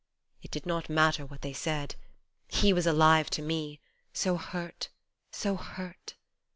It did not matter what they said, He was alive to me, so hurt, so hurt